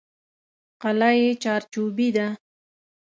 قلعه یې چارچوبي ده.